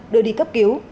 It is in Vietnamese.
đưa đi cấp cứu